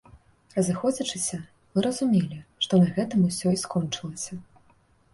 Разыходзячыся, мы разумелі, што на гэтым усё і скончылася.